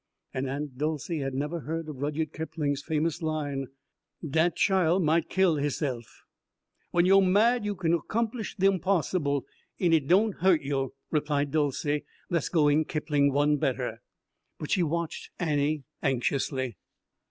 And Aunt Dolcey had never heard of Rudyard Kipling's famous line. "Dat chile might kill he'se'f." "When yo' mad yo' kin 'complish de onpossible, en it doan' hurt yo'," replied Dolcey, thus going Kipling one better. But she watched Annie anxiously.